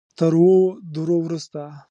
تر اوو دورو وروسته.